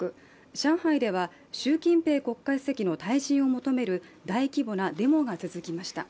上海では習近平国家主席の退陣を求める大規模なデモが続きました。